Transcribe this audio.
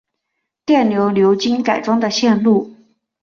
电流流经改装的线路